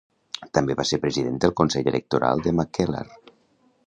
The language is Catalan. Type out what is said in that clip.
També va ser President del Consell Electoral de Mackellar.